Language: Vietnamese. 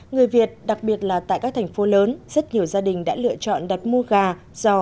người việt đặc biệt là tại các thành phố lớn rất nhiều gia đình đã lựa chọn đặt mua gà